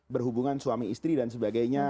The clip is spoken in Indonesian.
berhubungan suami istri dan sebagainya